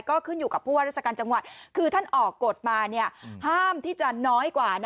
ก็ขึ้นอยู่กับผู้ว่าราชการจังหวัดคือท่านออกกฎมาห้ามที่จะน้อยกว่า